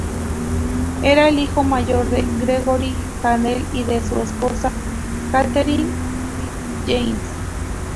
Era el hijo mayor de George Hadley y de su esposa Katherine FitzJames.